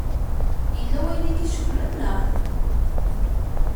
Yella wayen i k-icewwlen, neɣ?